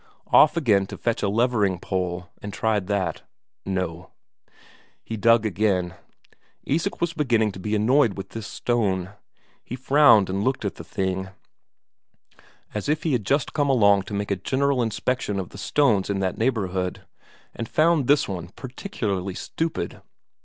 Off again to fetch a levering pole and tried that no. He dug again. Isak was beginning to be annoyed with this stone; he frowned, and looked at the thing, as if he had just come along to make a general inspection of the stones in that neighbourhood, and found this one particularly stupid.